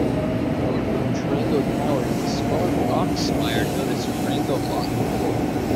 North of Trango Tower is a smaller rock spire known as "Trango Monk".